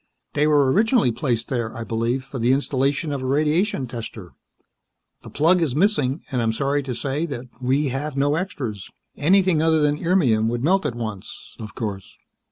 They were originally placed there, I believe, for the installation of a radiation tester. The plug is missing, and I am sorry to say that we have no extras. Anything other than irmium would melt at once, of course."